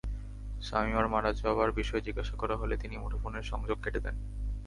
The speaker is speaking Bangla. শামিমার মারা যাওয়ার বিষয়ে জিজ্ঞাসা করা হলে তিনি মুঠোফোনের সংযোগ কেটে দেন।